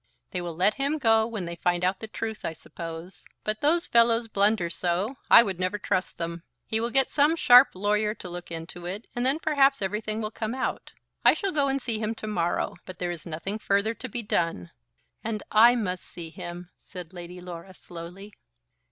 "They will let him go when they find out the truth, I suppose. But those fellows blunder so, I would never trust them. He will get some sharp lawyer to look into it; and then perhaps everything will come out. I shall go and see him to morrow. But there is nothing further to be done." "And I must see him," said Lady Laura slowly.